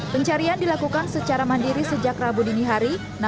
pencarian dilakukan secara mandiri sejak rabu dinihari